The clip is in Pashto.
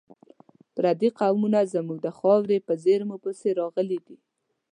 پردي قوتونه زموږ د خاورې په زیرمو پسې راغلي دي.